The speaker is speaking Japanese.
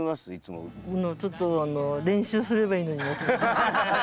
もうちょっと練習すればいいのに。